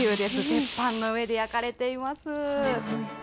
鉄板の上で焼かれています。